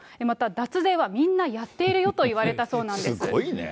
また、脱税はみんなやっているよと言われたそうなんです。